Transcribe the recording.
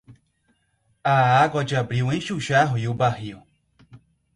A água de abril enche o jarro e o barril.